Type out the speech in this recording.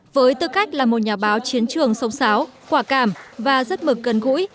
với tư cách là một nhà báo chiến trường sông sáo quả cảm và rất mực gần gũi